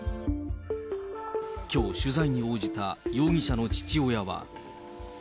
きょう、取材に応じた容疑者の父親は。